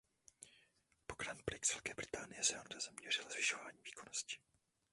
Po Grand Prix Velké Británie se Honda zaměřila zvyšování výkonnosti.